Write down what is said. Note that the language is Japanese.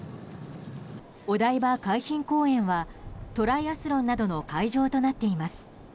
お台場海浜公園はトライアスロンなどの会場となっています。